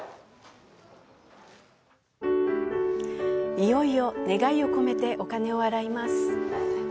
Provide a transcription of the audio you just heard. いよいよ願いを込めてお金を洗います。